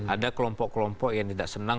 ada kelompok kelompok yang tidak senang